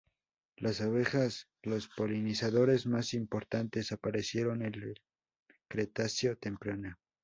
Las abejas, los polinizadores más importantes, aparecieron en el cretáceo temprano.